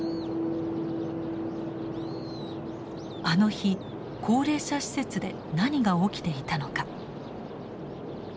あの日高齢者施設で何が起きていたのか。